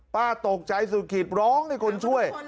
ป้าตกใจสุดขีดร้องให้คนช่วย